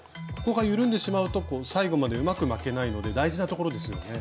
ここが緩んでしまうと最後までうまく巻けないので大事なところですよね？